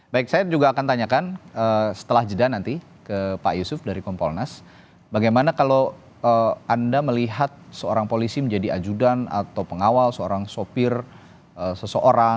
baik saya juga akan tanyakan setelah jeda nanti ke pak yusuf dari kompolnas bagaimana kalau anda melihat seorang polisi menjadi ajudan atau pengawal seorang sopir seseorang